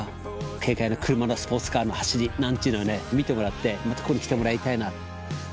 軽快な車のスポーツカーの走りなんていうのを見てもらってまたここに来てもらいたいな。